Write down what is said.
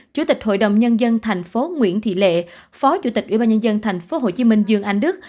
chủ tịch hội đồng nhân dân tp nguyễn thị lệ phó chủ tịch ubnd tp hcm dương anh đức